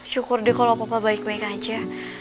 syukur deh kalau papa baik baik aja